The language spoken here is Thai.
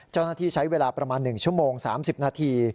เจ้าหน้าที่ใช้เวลาประมาณ๑ชั่วโมง๓๐นาที